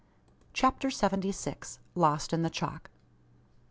CHAPTER SEVENTY SIX. LOST IN THE CHALK.